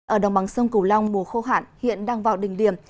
ở đồng bằng sông cửu long mùa khô hạn hiện đang vào đỉnh điểm